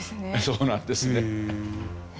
そうなんですね。